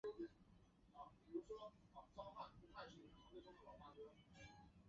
主要图书馆在香港中央图书馆未成立前称为中央图书馆。